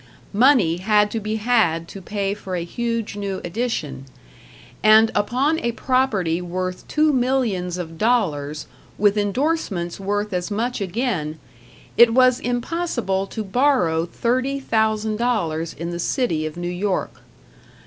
Money had to be had to pay for a huge new edition; and upon a property worth two millions of dollars, with endorsements worth as much again, it was impossible to borrow thirty thousand dollars in the city of New York.